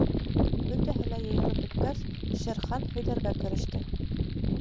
Бөтәһе лә йыйылып бөткәс, Шер Хан һөйләргә кереште.